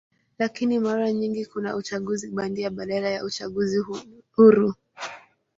Lakini mara nyingi kuna uchaguzi bandia badala ya uchaguzi huru.